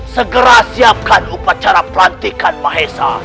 segera siapkan upacara pelantikan mahesa